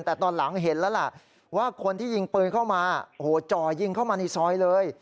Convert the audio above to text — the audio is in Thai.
แต่ตอนหลังเห็นแล้วล่ะว่าคนที่ยิงปืนเข้ามาโอ้โหจ่อยิงเข้ามาในซอยเลย